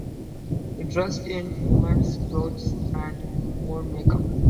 He dressed in women's clothes and wore make-up.